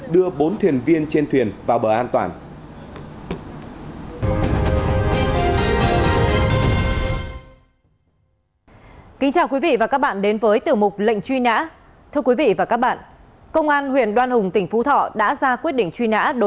đưa bốn thuyền viên trên thuyền vào bờ an toàn